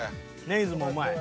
ネイズもうまい。